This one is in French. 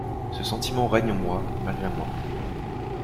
Ce sentiment règne en moi, malgré moi.